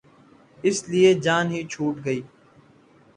اس لیے جان ہی چھوٹ گئی۔